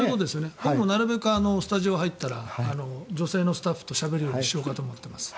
僕もなるべくスタジオに入ったら女性のスタッフとしゃべるようにしようと思っています。